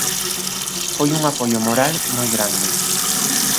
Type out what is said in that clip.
Foi un apoio moral moi grande.